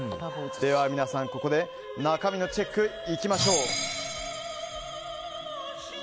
皆さん、ここで中身のチェックいきましょう！